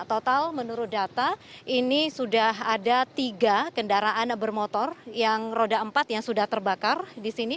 total menurut data ini sudah ada tiga kendaraan bermotor yang roda empat yang sudah terbakar di sini